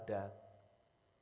keadaan yang normal